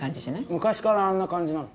昔からあんな感じなの？